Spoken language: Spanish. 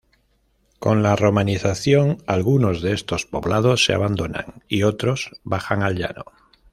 Con la romanización, algunos de estos poblados se abandonan y otros bajan al llano.